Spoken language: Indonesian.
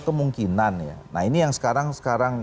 kemungkinan ya nah ini yang sekarang sekarang